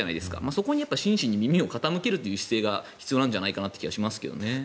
そこに真摯に耳を傾けるという姿勢が必要なんじゃないかなという気がしますけどね。